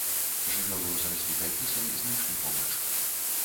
Жывёлу з разбітай пысай знайшлі побач.